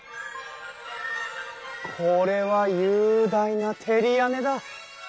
これは雄大な照り屋根だ！